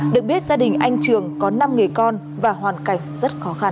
được biết gia đình anh trường có năm người con và hoàn cảnh rất khó khăn